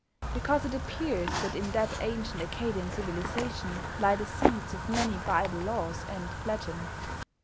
Because it appears that in that ancient Accadian civilisation lie the seeds of many Bible laws and legends.